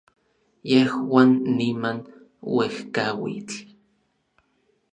yejua, niman, uejkauitl